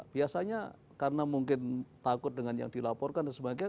biasanya karena mungkin takut dengan yang dilaporkan dan sebagainya